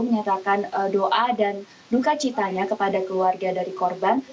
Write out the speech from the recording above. menyatakan doa dan duka citanya kepada keluarga dari korban